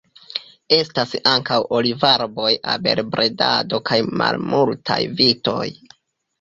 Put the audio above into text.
Estas ankaŭ olivarboj, abelbredado kaj malmultaj vitoj.